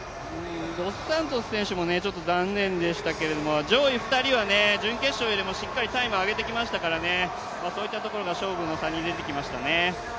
ドスサントス選手もちょっと残念でしたけど、上位２人は準決勝よりもしっかりタイムを上げてきましたからそういったところが勝負の差に出てきましたね。